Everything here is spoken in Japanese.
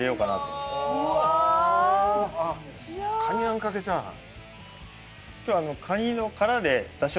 いやあカニあんかけチャーハン